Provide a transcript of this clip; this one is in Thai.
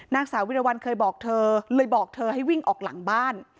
นางสาววิรวรรณเคยบอกเธอเลยบอกเธอให้วิ่งออกหลังบ้าน